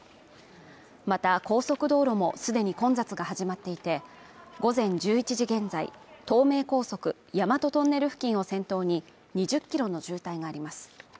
また高速道路もすでに混雑が始まっていて午前１１時現在、東名高速・大和トンネル付近を先頭に２０ｋｍの渋滞があります